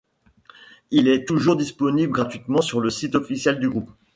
Il est toujours disponible gratuitement sur le site officiel du groupe.